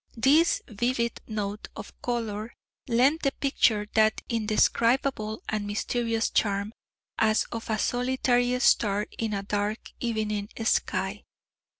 This vivid note of colour lent the picture that indescribable and mysterious charm as of a solitary star in a dark evening sky.